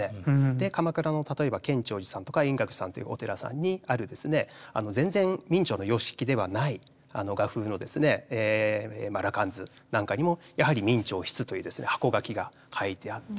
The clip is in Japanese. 鎌倉の例えば建長寺さんとか円覚寺さんというお寺さんにある全然明兆の様式ではない画風の「羅漢図」なんかにもやはり「明兆筆」という箱書きが書いてあって。